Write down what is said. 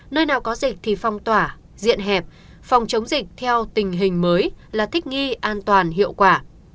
nơi nào có dịch thì phong tỏa diện hẹp phòng chống dịch theo tình hình mới là thích nghi an toàn hiệu quả